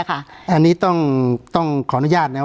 การแสดงความคิดเห็น